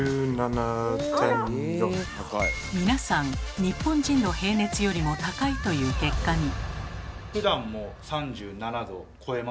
皆さん日本人の平熱よりも高いという結果に。